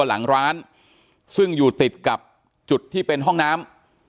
หลังร้านซึ่งอยู่ติดกับจุดที่เป็นห้องน้ำ